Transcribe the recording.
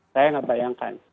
saya tidak bayangkan